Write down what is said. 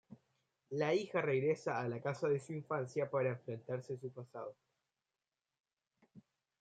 La hija regresa a la casa de su infancia para enfrentarse su pasado.